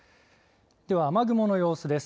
では雨雲の様子です。